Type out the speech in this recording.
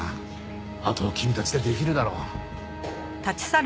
あとは君たちでできるだろ。